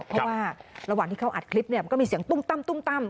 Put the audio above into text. เพราะว่าระหว่างที่เขาอัดคลิปเนี่ยมันก็มีเสียงตุ้มตั้ม